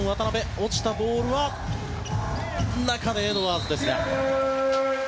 落ちたボールは中でエドワーズですが。